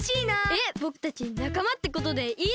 えっぼくたちなかまってことでいいですか？